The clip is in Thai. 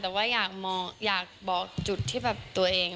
แต่ว่าอยากบอกจุดที่แบบตัวเอง